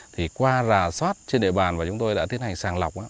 thì qua rà soát trên địa bàn và chúng tôi đã tiến hành sàng lọc